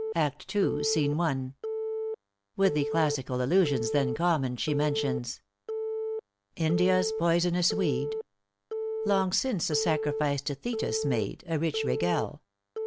`````Act II. Scene I.= With the classical allusions then common, she mentions= ```" India's poisonous weed, ```Long since a sacrifice to Thetis made, ```A rich regale.